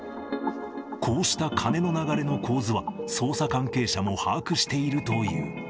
こうした金の流れの構図は、捜査関係者も把握しているという。